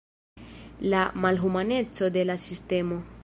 La malhumaneco de la sistemo.